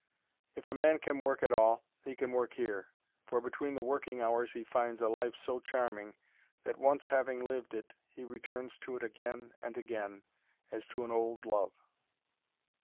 If a man can work at all, he can work here, for between the working hours he finds a life so charming, that once having lived it he returns to it again and again, as to an old love.